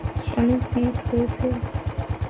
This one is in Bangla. অনেক পিরিত হয়েছে।